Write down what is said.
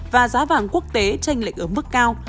và giá vàng quốc tế tranh lệch ở mức cao